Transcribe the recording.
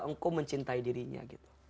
engkau mencintai dirinya